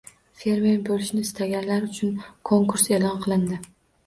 «Fermer» bo‘lishni istaganlar uchun konkurs e’lon qilindi